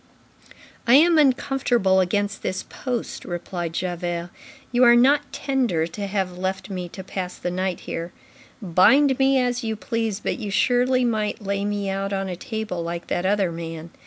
"I am uncomfortable against this post," replied Javert. "You are not tender to have left me to pass the night here. Bind me as you please, but you surely might lay me out on a table like that other man."